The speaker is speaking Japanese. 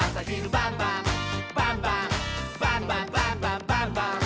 「バンバンバンバンバンバン！」